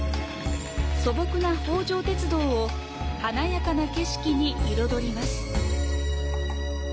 素朴な北条鉄道を華やかな景色に彩ります。